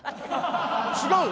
違うの？